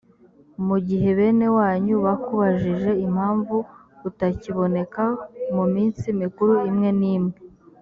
mu gihe bene wanyu bakubajije impamvu utakiboneka mu minsi mikuru imwe n imwe